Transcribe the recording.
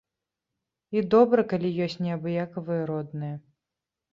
І добра, калі ёсць неабыякавыя родныя.